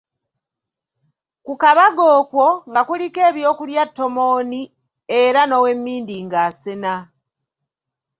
Ku kabaga okwo, nga kuliko eby'okulya ttomooni era n'owemmindi ng’asena.